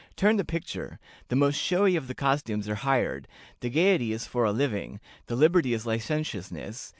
Turn the picture. The most showy of the costumes are hired; the gayety is for a living; the liberty is licentiousness.